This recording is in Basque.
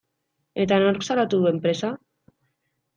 Eta nork salatu du enpresa?